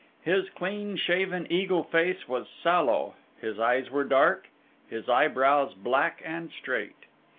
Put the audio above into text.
His clean shaven eagle face was sallow, his eyes were dark, his eyebrows black and straight.